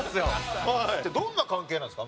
どんな関係なんですか？